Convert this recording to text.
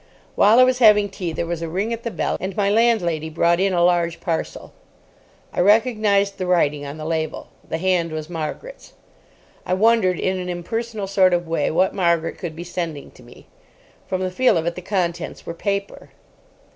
While I was having tea there was a ring at the bell, and my landlady brought in a large parcel. I recognised the writing on the label. The hand was Margaret's. I wondered in an impersonal sort of way what Margaret could be sending to me. From the feel of it the contents were paper.